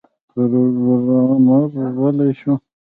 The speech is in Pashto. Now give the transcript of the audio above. پروګرامر غلی شو